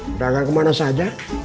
perdagang kemana saja